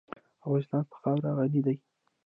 افغانستان په خاوره غني دی.